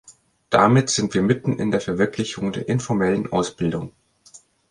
Damit sind wir mitten in der Verwirklichung der informellen Ausbildung.